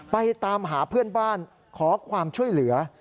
ไปตามหาเพื่อนบ้านขอความช่วยเหลือ